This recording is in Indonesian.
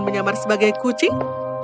menyamar sebagai kucing